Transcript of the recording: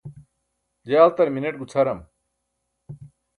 je altar mineṭ gucʰaram